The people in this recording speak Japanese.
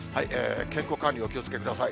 健康管理、お気をつけください。